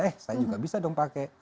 eh saya juga bisa dong pakai